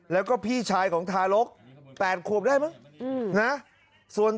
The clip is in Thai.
แล้วก็พี่ชายของทารก๘ขวบได้มั้งนะ